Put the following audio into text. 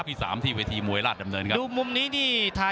พี่น้องอ่ะพี่น้องอ่ะพี่น้องอ่ะ